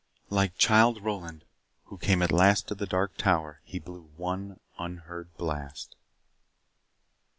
Like Childe Roland, who came at last to the Dark Tower, he blew one unheard blast.